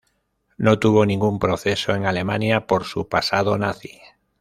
No tuvo ningún proceso en Alemania por su pasado nazi.